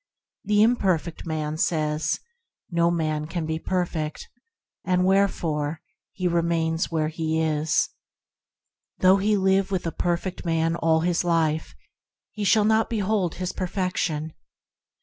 The imperfect man says, "No man can be perfect," and wherefore he remains where he is. Though 104 THE HEAVENLY LIFE he live with a perfect man all his life, he shall not behold his perfection.